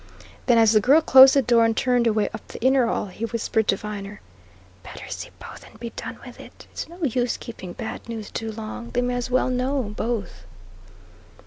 Then, as the girl closed the door and turned away up the inner hall, he whispered to Viner. "Better see both and be done with it. It's no use keeping bad news too long; they may as well know both."